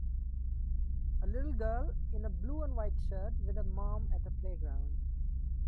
A little girl, in a blue and white shirt, with her mom at a playground.